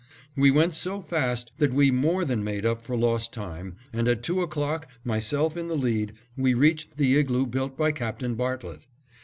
We went so fast that we more than made up for lost time and at two o'clock, myself in the lead, we reached the igloo built by Captain Bartlett.